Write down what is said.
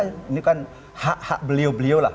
ini kan hak hak beliau beliau lah